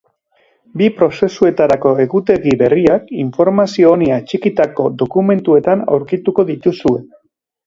Bi prozesuetarako egutegi berriak informazio honi atxikitako dokumentuetan aurkituko dituzue.